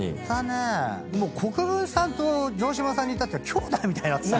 国分さんと城島さんに至っては兄弟みたいになってきた。